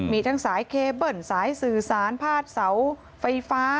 มีทั้งสายเคเบิ้ลสายสื่อสารพาดเสาไฟฟ้า